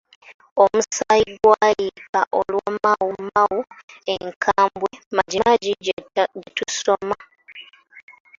"Omusayi gwayiika Olwa Mau Mau enkambwe, MajiMaji gye tusoma"